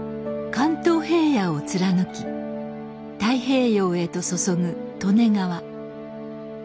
関東平野を貫き太平洋へと注ぐ利根川。